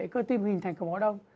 cơ tim hình thành cục máu đông